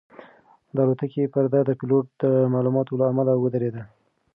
د الوتکې پرده د پیلوټ د معلوماتو له امله ودرېده.